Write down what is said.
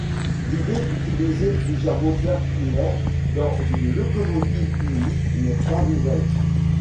L'idée d'utiliser plusieurs moteurs primaires dans une locomotive unique n'est pas nouvelle.